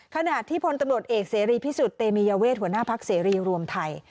ขณะที่พลตำรวจเอกเสรีพิสุทธิ์เตมียเวทหัวหน้าพักเสรีรวมไทย